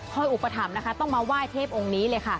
อุปถัมภ์นะคะต้องมาไหว้เทพองค์นี้เลยค่ะ